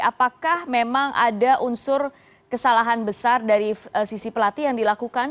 apakah memang ada unsur kesalahan besar dari sisi pelatih yang dilakukan